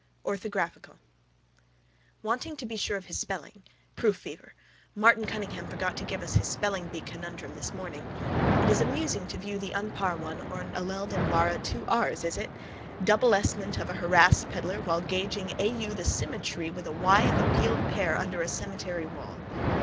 ORTHOGRAPHICAL Want to be sure of his spelling. Proof fever. Martin Cunningham forgot to give us his spellingbee conundrum this morning. It is amusing to view the unpar one ar alleled embarra two ars is it? double ess ment of a harassed pedlar while gauging au the symmetry with a y of a peeled pear under a cemetery wall.